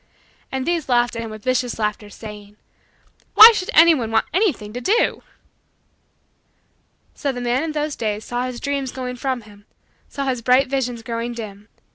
And these laughed at him with vicious laughter, saying: "Why should anyone want anything to do?" So the man in those days saw his dreams going from him saw his bright visions growing dim.